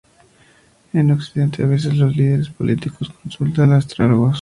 En Occidente, a veces los líderes políticos consultan astrólogos.